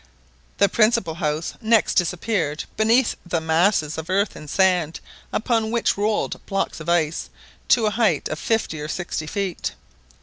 The principal house next disappeared beneath the masses of earth and sand, upon which rolled blocks of ice to a height of fifty or sixty feet.